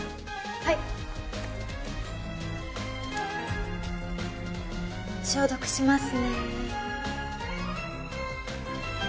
はい消毒しますね